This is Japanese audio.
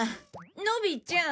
のびちゃん